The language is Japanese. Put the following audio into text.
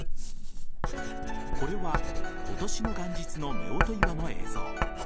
これは今年の元日の夫婦岩の映像。